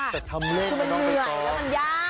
คุณมันเหนื่อยแล้วมันยาก